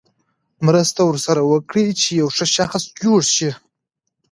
مرسته ورسره وکړه چې یو ښه شخص جوړ شي.